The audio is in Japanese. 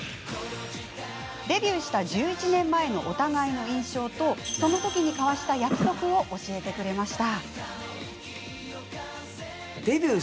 デビューした１１年前のお互いの印象とその時に交わした約束を教えてくれました。